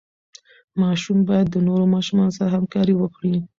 ماشوم باید د نورو ماشومانو سره همکاري وکړي.